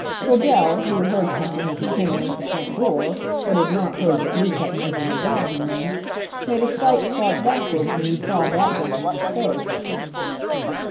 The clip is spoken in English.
Cradell, who had heard something as he came in at the front door, but had not heard that Lupex was in the drawing room, made a slight start backwards when he saw that gentleman's face.